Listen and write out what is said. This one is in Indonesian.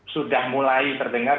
sudah mulai terdengar